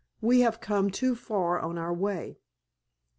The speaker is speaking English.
We have come too far on our way.